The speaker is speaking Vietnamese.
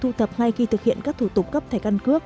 thu thập ngay khi thực hiện các thủ tục cấp thẻ căn cước